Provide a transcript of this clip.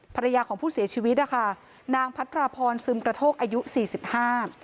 ภรรยาของผู้เสียชีวิตนะคะนางพัทราพรซึมกระโทกอายุสี่สิบห้า